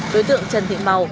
đối tượng trần thị màu